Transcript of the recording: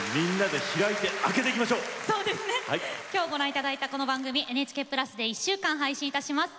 今日ご覧いただいたこの番組は、ＮＨＫプラスで１週間配信いたします。